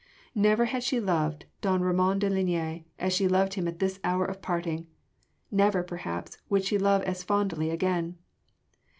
Never had she loved don Ramon de Linea as she loved him at this hour of parting never perhaps would she love as fondly again.